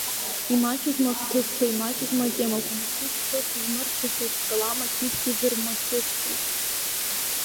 Имаҷызма ахҭысқәа, имаҷызма атемақәа, мши-ҵхи сызмырцәашаз, скалам ақьышәгьы зырмацәысшаз!